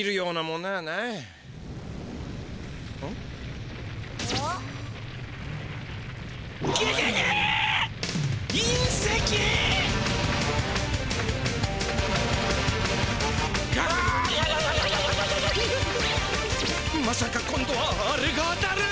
まさか今度はあれが当たる？